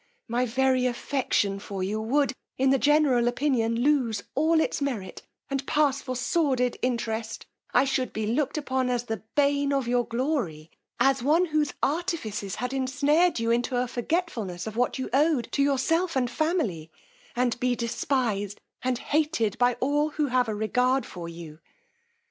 My very affection for you would, in the general opinion, lose all its merit, and pass for sordid interest: I should be looked upon as the bane of your glory; as one whose artifices had ensnared you into a forgetfulness of what you owed to yourself and family, and be despised and hated by all who have a regard for you.